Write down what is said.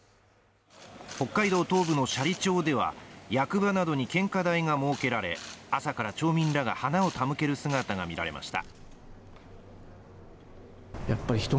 北海道東部の斜里町では、役場などに献花台が設けられ、朝から町民らが花を手向ける姿が見られました。